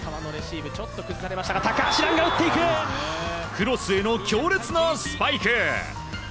クロスへの強烈なスパイク！